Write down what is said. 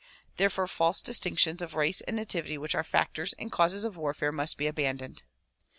Therefore false distinctions of race and nativity which are factors and causes of warfare must be abandoned.